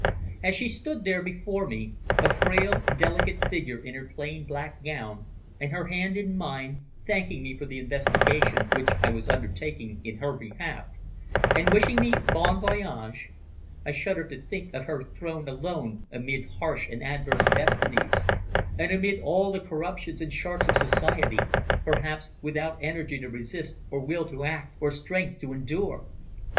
As she stood there before me, a frail, delicate figure in her plain black gown, and her hand in mine, thanking me for the investigation which I was undertaking in her behalf, and wishing me bon voyage, I shuddered to think of her thrown alone amid harsh and adverse destinies, and amid all the corruptions and sharks of society, perhaps without energy to resist, or will to act, or strength to endure.